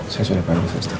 saya sudah panggil sustang